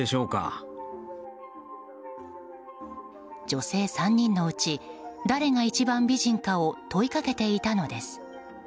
女性３人のうち誰が一番美人かを問いかけていたのです。